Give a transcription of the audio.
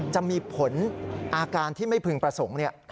จะมีผลอาการที่ไม่พึงประสงค์